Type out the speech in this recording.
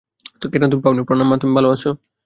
কেন তুমি পাওনি, প্রণাম মা, তুমি ভালো আছো।